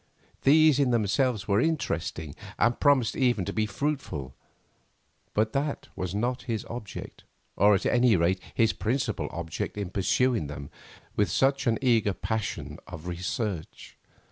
These in themselves were interesting, and promised even to be fruitful; but that was not his object, or, at any rate, his principal object in pursuing them with such an eager passion of research.